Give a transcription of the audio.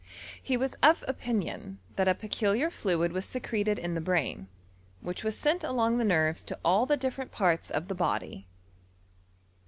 He was of opinion that a peculiar fluid; Witt secreted in the brain, which was sent along the nerves to all the different parts of the body.